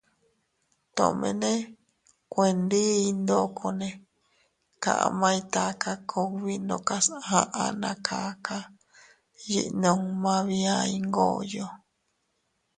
Tomene kuendiy ndokone kamay taka kugbi ndokas aʼa na kaka yiʼi numma bia Iyngoyo.